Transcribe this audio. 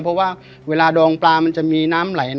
เพราะว่าเวลาดองปลามันจะมีน้ำไหล